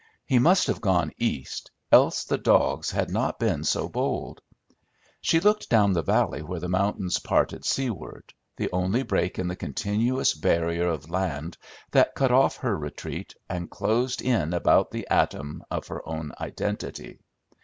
He must have gone East, else the dogs had not been so bold. She looked down the valley where the mountains parted seaward, the only break in the continuous barrier of land that cut off her retreat and closed in about the atom of her own identity.